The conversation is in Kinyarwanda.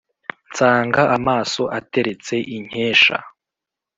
nsanga amaso ateretse inkesha,